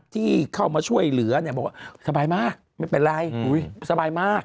ที่เข้ามาช่วยเหลือเนี่ยบอกว่าสบายมากไม่เป็นไรสบายมาก